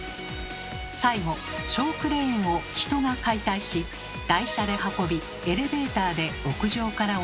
最後小クレーンを人が解体し台車で運びエレベーターで屋上から下ろすのです。